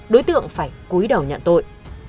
đối tượng phải cúi đầu nhận tội